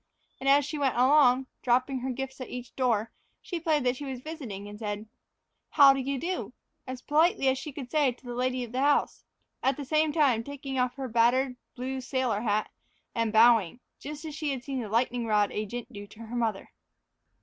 And as she went along, dropping her gifts at each door, she played that she was visiting and said, "How do you do?" as politely as she could to the lady of the house, at the same time taking off her battered blue sailor hat and bowing, just as she had seen the lightning rod agent do to her mother.